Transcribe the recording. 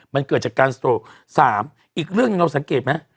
มันเกิดจากการสตรวคสามอีกเรื่องเราสังเกตไหม